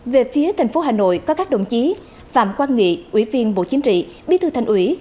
về phía thành phố hà nội có các đồng chí phạm quang nghị ủy viên bộ chính trị bí thư thành ủy